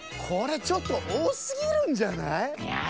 これちょっとおおすぎるんじゃない？